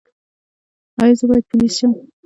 ایا زه باید پولیس شم؟